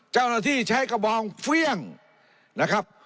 เจ้าหน้าที่ใช้กระบองเฟี่ยงนะครับ